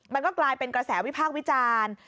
มันก็กลายเป็นกระแสวิพากษ์วิจารณ์